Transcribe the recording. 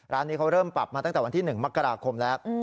ร้านนี้เขาเริ่มปรับมาตั้งแต่วันที่๑มกราคมแล้ว